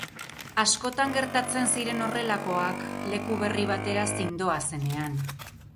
Askotan gertatzen ziren horrelakoak leku berri batera zindoazenean.